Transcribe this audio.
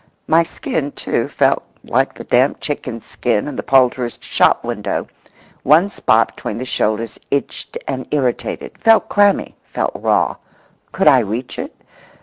My skin, too, felt like the damp chicken's skin in the poulterer's shop window; one spot between the shoulders itched and irritated, felt clammy, felt raw. Could I reach it?